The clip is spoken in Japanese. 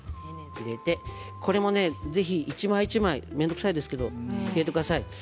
これもね、ぜひ一枚一枚面倒くさいですけれど入れてくださいね。